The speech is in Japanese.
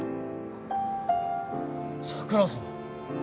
桜さん。